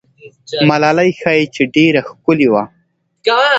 ملالۍ ښایي چې ډېره ښکلې وه.